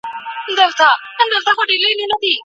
د برق په مصرف کې سپما وکړئ.